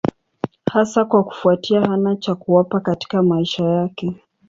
Hasa kwa kufuatia hana cha kuwapa katika maisha yake.